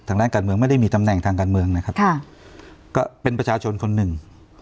ทางด้านการเมืองไม่ได้มีตำแหน่งทางการเมืองนะครับค่ะก็เป็นประชาชนคนหนึ่ง